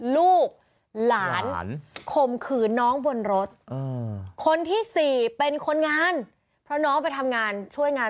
ลูกหลานข่มขืนน้องบนรถคนที่๔เป็นคนงานเพราะน้องไปทำงานช่วยงาน